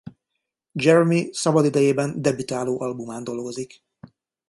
Jeremy szabadidejében debütáló albumán dolgozik.